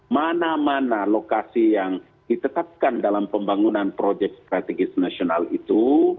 mana mana lokasi yang ditetapkan dalam pembangunan proyek strategis nasional itu